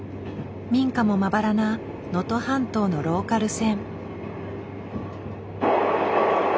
民家もまばらな能登半島のローカル線。